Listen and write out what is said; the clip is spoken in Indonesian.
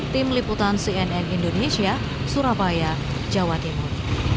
tim liputan cnn indonesia surabaya jawa timur